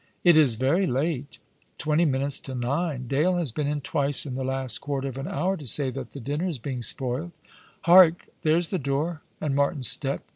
" It is very late." " Twenty minutes to nine. Dale has been in twice in the last quarter of an hour to say that the dinner is being spoilt. Hark! There's the door, and Martin's step.